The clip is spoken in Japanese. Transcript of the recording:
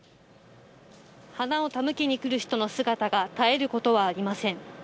花を手向けに来る人の姿が絶えることはありません。